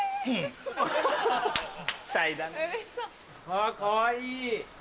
あっかわいい。